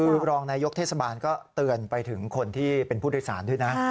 คือรองนายกเทศบาลก็เตือนไปถึงคนที่เป็นผู้โดยสารด้วยนะ